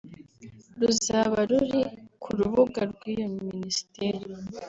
ruzaba ruri ku rubuga rw’iyo Ministeri